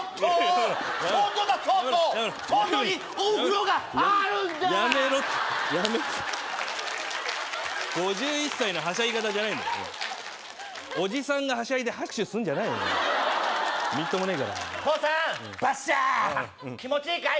やめろやめろってやめろ５１歳のはしゃぎ方じゃないおじさんがはしゃいで拍手するんじゃないみっともねえから父さんバシャーッ気持ちいいかい？